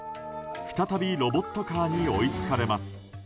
再びロボットカーに追いつかれます。